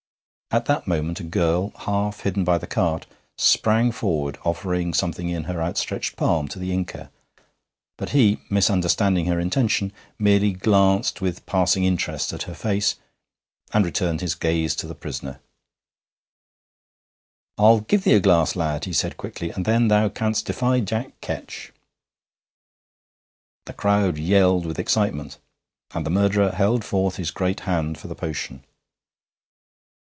At that moment a girl, half hidden by the cart, sprang forward, offering something in her outstretched palm to the Inca; but he, misunderstanding her intention, merely glanced with passing interest at her face, and returned his gaze to the prisoner. 'I'll give thee a glass, lad,' he said quickly, 'and then thou canst defy Jack Ketch.' The crowd yelled with excitement, and the murderer held forth his great hand for the potion.